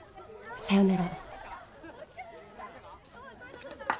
さよなら。